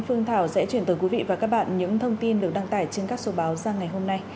phương thảo sẽ truyền tờ quý vị và các bạn những thông tin được đăng tải trên các sổ báo ra ngày hôm nay